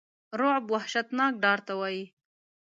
رعب وحشتناک ډار ته وایی.